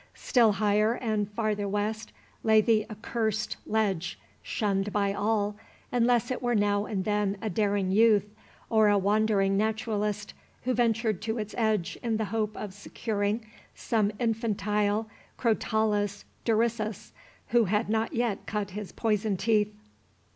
Still higher and farther west lay the accursed ledge, shunned by all, unless it were now and then a daring youth, or a wandering naturalist who ventured to its edge in the hope of securing some infantile Crotalus durissus, who had not yet cut his poison teeth.